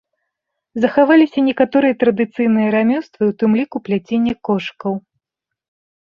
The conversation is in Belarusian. Захаваліся некаторыя традыцыйныя рамёствы, у тым ліку пляценне кошыкаў.